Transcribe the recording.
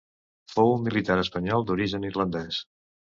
Fou un militar espanyol d'origen irlandès.